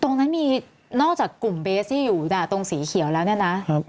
ตรงนั้นมีนอกจากกลุ่มเบสที่อยู่ตรงสีเขียวแล้วเนี่ยนะ